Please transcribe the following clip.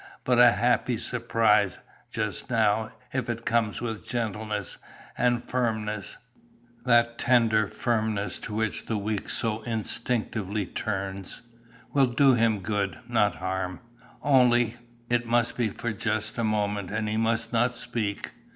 "But a happy surprise, just now, if it comes with gentleness, and firmness that tender firmness to which the weak so instinctively turns will do him good, not harm. Only, it must be for just a moment, and he must not speak.